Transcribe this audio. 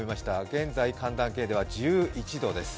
現在、寒暖計では１１度です。